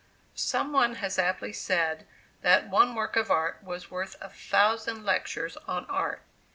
Some one has aptly said, that one work of art was worth a thousand lectures on art.